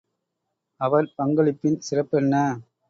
அவர் பங்களிப்பின் சிறப்பென்ன?